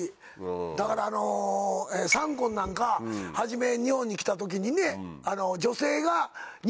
だからあのサンコンなんか初め日本に来た時にね。